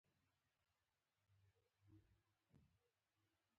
د وردګ ولایت مرکز میدان ښار دی